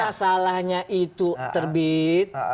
masalahnya itu terbit